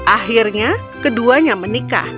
akhirnya keduanya menikah